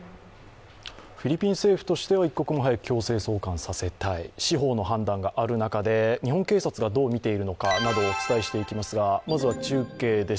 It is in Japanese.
フィリピン政府としては一刻も早く強制送還させたい司法の判断がある中で、日本警察がどう見ているかなどお伝えしますが、まずは中継です。